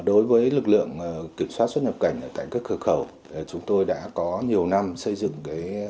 đối với lực lượng kiểm soát xuất nhập cảnh tại các cửa khẩu chúng tôi đã có nhiều năm xây dựng